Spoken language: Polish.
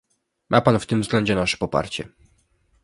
Ma pan w tym względzie nasze poparcie